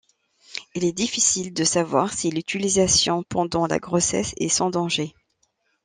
Il est difficile de savoir si l'utilisation pendant la grossesse est sans danger.